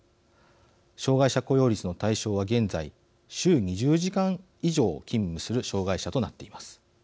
障害者雇用率の対象は現在週２０時間以上勤務する障害者となっています。